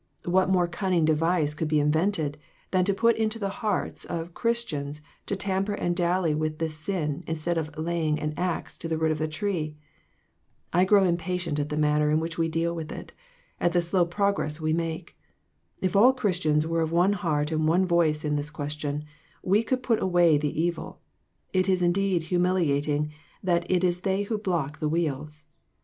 What more cunning device could be invented, than to put it into the hearts of Chris tians to tamper and dally with this sin instead of laying the axe to the root of the tree? I grow impatient at the manner in which we deal with it ; at the slow progress we make. If all Christians were of one heart and one voice on this question, we could put away the evil. It is indeed humilia ting that it is they who block the wheels.